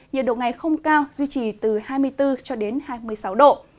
nhiệt độ ngày không cao duy trì từ hai mươi bốn hai mươi sáu độ